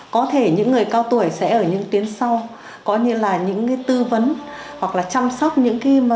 có thể những người cao tuổi sẽ ở những tuyến sau có như là những tư vấn hoặc là chăm sóc những bệnh nhân mà ở f ba f bốn